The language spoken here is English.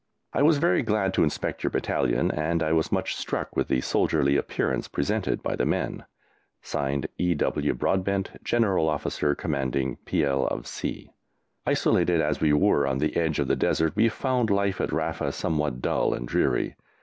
I was very glad to inspect your battalion and I was much struck with the soldierly appearance presented by the men. (Signed) E. W. BROADBENT, General Officer Commanding P.L. of C. Isolated as we were on the edge of the desert we found life at Rafa somewhat dull and dreary.